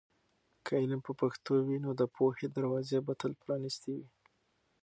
که علم په پښتو وي، نو د پوهې دروازې به تل پرانیستې وي.